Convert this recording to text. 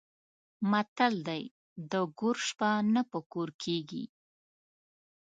متل دی: د ګور شپه نه په کور کېږي.